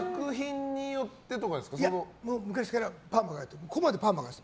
昔からパーマやってて。